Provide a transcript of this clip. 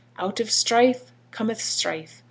'Out of strife cometh strife.